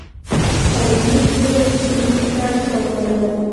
ښایي موږ تل یو ژغورونکي ته اړتیا ونه لرو.